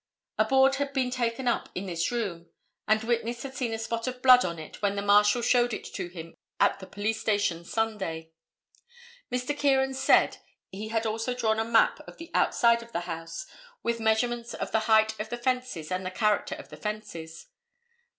A board had been taken up in this room, and witness had seen a spot of blood on it when the Marshal showed it to him at the police station Sunday. Mr. Kieran said he had also drawn a map of the outside of the house, with measurements of the height of the fences and the character of the fences.